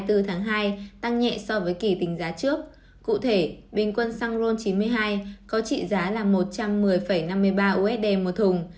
tăng nhẹ so với kỳ tính giá trước cụ thể bình quân xăng ron chín mươi hai có trị giá là một trăm một mươi năm mươi ba usd một thùng